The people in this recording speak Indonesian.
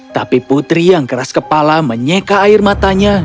tapi putri yang keras kepala menyeka air matanya